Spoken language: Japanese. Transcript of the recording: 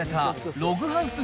ログハウスや。